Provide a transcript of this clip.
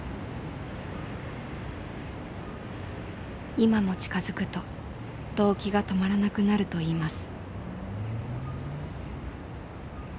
今も近づくとどうきが止まらなくなるといいます。